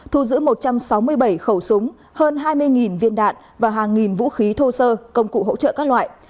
thu giữ một trăm sáu mươi bảy khẩu súng hơn hai mươi viên đạn và hàng nghìn vũ khí thô sơ công cụ hỗ trợ các loại